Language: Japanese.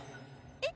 えっ！